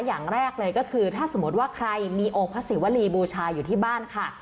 อย่างแรกเลยก็คือถ้าสมมติว่าใครมีองค์พระศิวรีบูชาอยู่ที่บ้านค่ะ